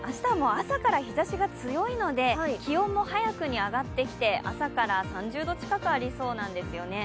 朝から日ざしが強いので気温も早くに上がってきて朝から３０度近くありそうなんですよね。